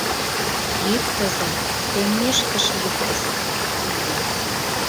— Йӱктыза, теммешкышт йӱктыза! — мане.